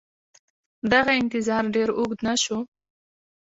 دغه انتظار ډېر اوږد نه شو.